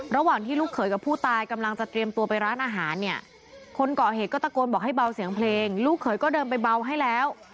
ระหว่างที่ลูกเขยกับผู้ตายกำลังจะเตรียมตัวไปร้านอาหารเนี่ยคนก่อเหตุก็ตะโกนบอกให้เบาเสียงเพลงลูกเขยก็เดินไปเบาให้แล้ว